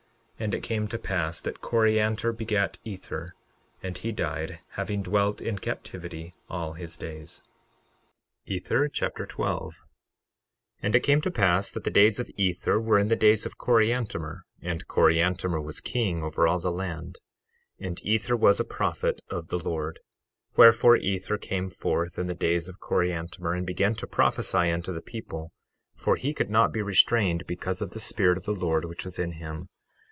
11:23 And it came to pass that Coriantor begat Ether, and he died, having dwelt in captivity all his days. Ether Chapter 12 12:1 And it came to pass that the days of Ether were in the days of Coriantumr; and Coriantumr was king over all the land. 12:2 And Ether was a prophet of the Lord; wherefore Ether came forth in the days of Coriantumr, and began to prophesy unto the people, for he could not be restrained because of the Spirit of the Lord which was in him.